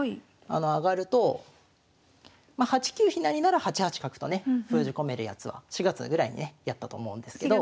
上がるとまあ８九飛成なら８八角とね封じ込めるやつは４月ぐらいにねやったと思うんですけど。